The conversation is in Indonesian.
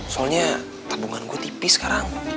soalnya tabungan gua tipis sekarang